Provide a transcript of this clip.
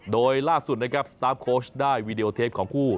โดยล่าสุดนะครับสตาร์ฟโค้ชได้วีดีโอเทปของคู่